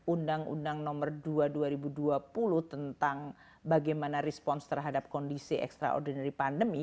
undang undang nomor dua dua ribu dua puluh tentang bagaimana respons terhadap kondisi extraordinary pandemi